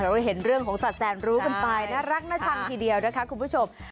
ได้เห็นเรื่องของสัตวแสนรู้กันไปน่ารักน่าชังทีเดียวนะคะคุณผู้ชม